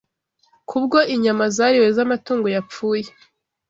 kubwo inyama zariwe z’amatungo yapfuye